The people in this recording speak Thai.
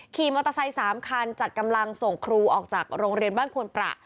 ขี่มอเตอร์ไซค์๓คันจัดกำลังส่งครูออกจากโรงเรียนบ้านควนประ